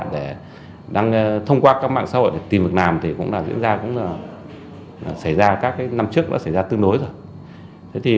để đăng thông qua các mạng xã hội để tìm được làm thì cũng là diễn ra cũng là xảy ra các năm trước đã xảy ra tương đối rồi